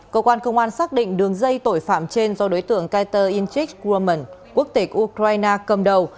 cơ quan công an xác định đường dây tội phạm trên do đối tượng kajter inchik grumman quốc tịch ukraine cầm đầu